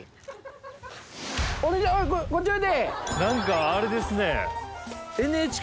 何かあれですね。